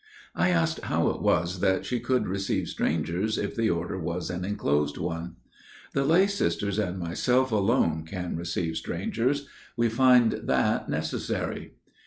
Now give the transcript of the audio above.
"I asked how it was that she could receive strangers if the order was an enclosed one. "'The lay sisters and myself alone can receive strangers. We find that necessary.